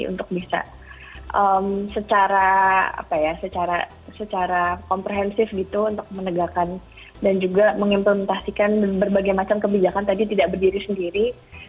jadi untuk bisa secara komprehensif gitu untuk menegakkan dan juga mengimplementasikan berbagai macam kebijakan tadi tidak berdiri sendiri